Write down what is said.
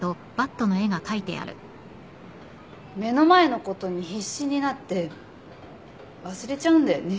目の前のことに必死になって忘れちゃうんだよね